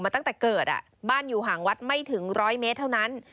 ตั้งแต่เกิดบ้านอยู่ห่างวัดไม่ถึง๑๐๐เมตรเท่านั้น